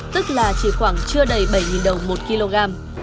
tức là chỉ khoảng chưa đầy bảy đồng một kg